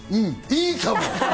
いいかも！